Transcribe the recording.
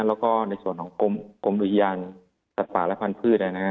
แล้วก็ในส่วนของกรมอุทยานสัตว์ป่าและพันธุ์